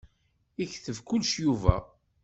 Iketteb kullec Yuba.